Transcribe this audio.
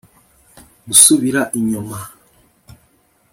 gusubira inyuma